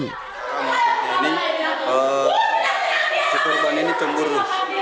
maksudnya ini si korban ini cemburu